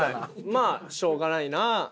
まあしょうがないなあ。